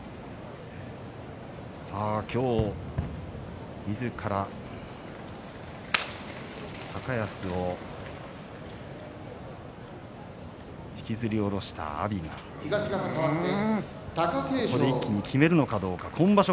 今日みずから、高安を引きずり下ろした阿炎がここで一気に決めるのかどうか今場所